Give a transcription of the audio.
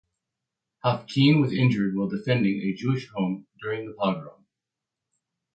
Haffkine was injured while defending a Jewish home during a pogrom.